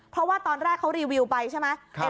เพราะว่าตอนแรกเขารีวิวไปใช่ไหม